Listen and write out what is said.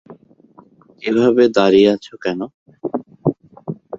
এভাবে দাঁড়িয়ে আছ কেন?